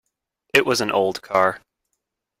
It was an old car.